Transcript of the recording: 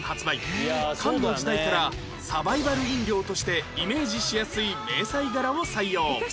缶の時代からサバイバル飲料としてイメージしやすい迷彩柄を採用